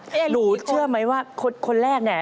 ดีใจมากหรูเชื่อไหมว่าคนแรกนี่